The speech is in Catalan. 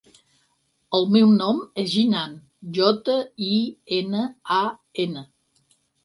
El meu nom és Jinan: jota, i, ena, a, ena.